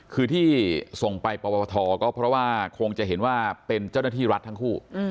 คือที่ส่งไปปวทก็เพราะว่าคงจะเห็นว่าเป็นเจ้าหน้าที่รัฐทั้งคู่